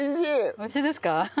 美味しいですか？